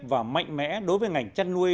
và mạnh mẽ đối với ngành chăn nuôi